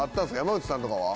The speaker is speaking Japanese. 山内さんとかは。